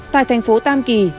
tại thành phố tam kỳ